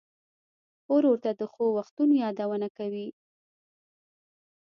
ورور ته د ښو وختونو یادونه کوې.